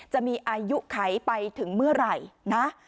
จะมีอายุไขไปถึงเมื่อไหร่นะ